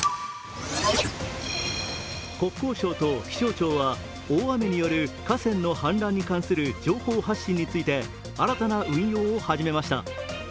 国交省と気象庁は大雨による河川の氾濫による情報発信について新たな運用を始めました。